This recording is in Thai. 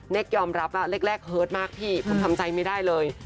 ยอมรับว่าแรกเฮิร์ตมากพี่ผมทำใจไม่ได้เลย